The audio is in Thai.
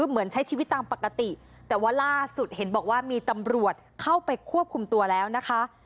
เหมือนใช้ชีวิตตามปกติแต่ว่าล่าสุดเห็นบอกว่ามีตำรวจเข้าไปควบคุมตัวแล้วนะคะ